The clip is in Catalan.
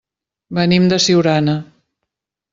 Venim de Siurana.